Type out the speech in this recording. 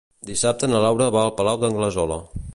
Dissabte na Laura va al Palau d'Anglesola.